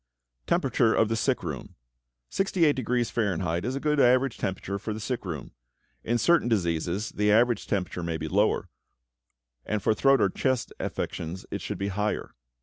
=Temperature of the Sick Room.= Sixty eight degrees Fahrenheit is a good average temperature for the sick room. In certain diseases the average temperature may be lower, and for throat or chest affections it should be higher.